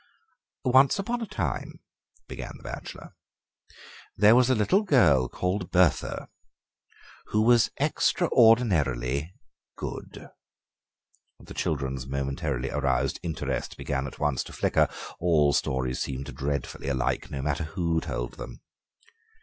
"Once upon a time," began the bachelor, "there was a little girl called Bertha, who was extraordinarily good." The children's momentarily aroused interest began at once to flicker; all stories seemed dreadfully alike, no matter who told them.